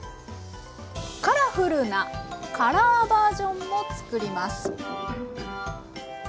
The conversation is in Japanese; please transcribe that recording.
カラフルなカラーバージョンも作ります。